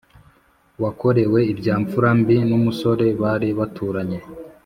Wakorewe ibya mfura mbi n umusore bari baturanye